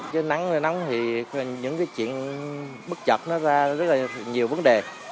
chứ nắng thì những cái chuyện bức chật nó ra rất là nhiều vấn đề